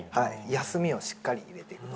休みをしっかり入れていく。